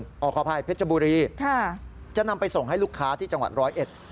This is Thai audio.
ขออภัยเพชรบุรีค่ะจะนำไปส่งให้ลูกค้าที่จังหวัดร้อยเอ็ด